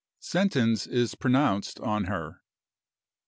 SENTENCE IS PRONOUNCED ON HER.